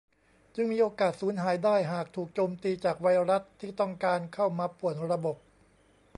จึงมีโอกาสสูญหายได้หากถูกโจมตีจากไวรัสที่ต้องการเข้ามาป่วนระบบ